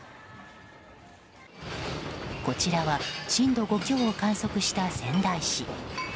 こちらは震度５強を観測した仙台市。